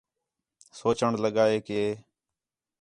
سوچݨ لڳا ہے کہ